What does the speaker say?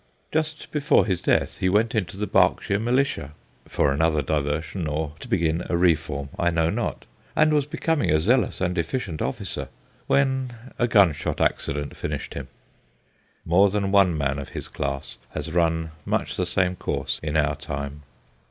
Just before his death he went into the Berkshire Militia for another diversion, or to begin a reform, I know not and was becoming a zealous and efficient officer when a gunshot accident finished him. More than one young man of his class has run much the same course in our time.